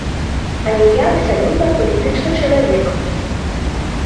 Але я абсалютна апалітычны чалавек.